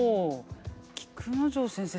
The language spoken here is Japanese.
菊之丞先生